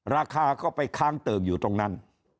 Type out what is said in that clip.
ราคาก็ไปค้างเติ่งอยู่ตรงนั้น